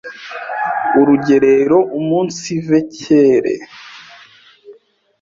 Urugerero umunsive kere,